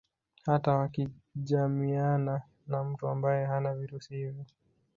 Hata wakijamiana na mtu ambaye hana virusi hivyo